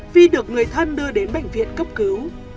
vi được người thân đưa đến bệnh viện cấp cứu